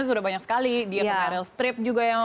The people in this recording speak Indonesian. sudah banyak sekali dia mengaril strip juga